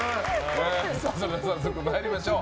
早速参りましょう。